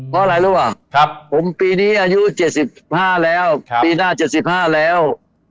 เพราะอะไรรู้ป่ะผมปีนี้อายุ๗๕แล้วปีหน้า๗๕แล้ว